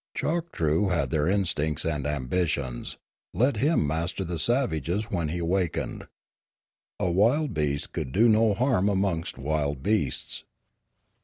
Choktroo had their instincts and ambitions; let him master the savages when he awakened. A wild beast could do no harm amongst wild beasts.